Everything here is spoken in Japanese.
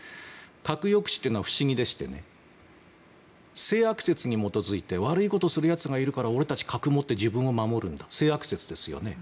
核抑止というのは不思議でして性悪説に基づいて悪いことをするやつがいるから俺たちは核を持って自分を守る性悪説ですよね。